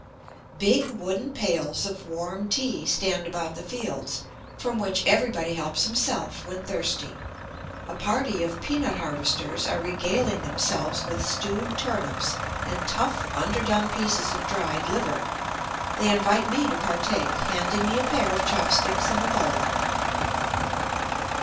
Big wooden pails of warm tea stand about the fields, from which everybody helps himself when thirsty. A party of peanut harvesters are regaling themselves with stewed turnips and tough, underdone pieces of dried liver. They invite me to partake, handing me a pair of chopsticks and a bowl.